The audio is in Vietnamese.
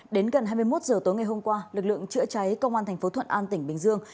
đến gần hai mươi một h tối ngày hôm qua lực lượng chữa cháy công an thành phố thuận an tỉnh bình dương